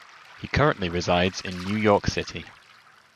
He currently resides in New York City.